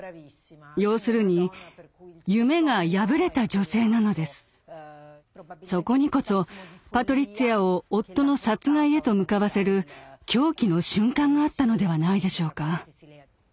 要するにそこにこそパトリッツィアを夫の殺害へと向かわせる狂気の瞬間があったのではないでしょうか。